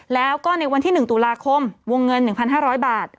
แล้วก็ในวันที่๑ตุลาคมวงเงิน๑๕๐๐บาท